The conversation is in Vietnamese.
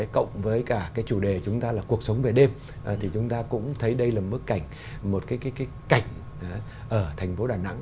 cộng với cả chủ đề chúng ta là cuộc sống về đêm thì chúng ta cũng thấy đây là một cảnh ở thành phố đà nẵng